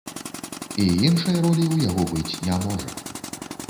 І іншай ролі ў яго быць не можа.